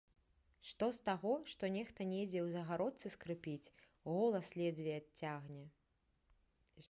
Што з таго, што нехта недзе ў загародцы скрыпіць, голас ледзьве адцягне?